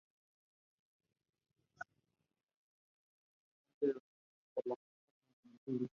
Alain denuncia las mentiras detrás de las viejas ideas de la guerra.